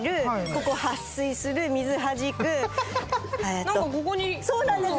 ここ撥水する水はじくえっと何かここにそうなんです